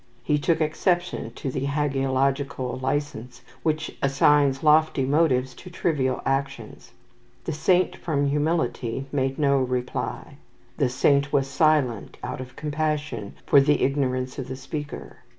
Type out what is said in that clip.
He took exception to the hagiological licence which assigns lofty motives to trivial actions. "The saint from humility made no reply." "The saint was silent out of compassion for the ignorance of the speaker."